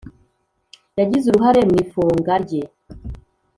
Yagize uruhare mwifunga rye